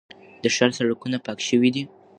د ښار سړکونه پاک شوي دي.